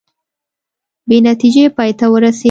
بې نتیجې پای ته ورسیدې